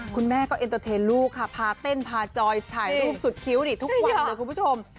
คุณแม่ก็เอ็นเตอร์เทนลูกค่ะพาเต้นพาจอยถ่ายรูปสุดคิ้วนี่ทุกวันเลยคุณผู้ชม